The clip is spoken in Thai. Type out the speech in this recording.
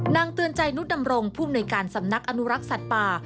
เตือนใจนุษดำรงผู้มนุยการสำนักอนุรักษ์สัตว์ป่า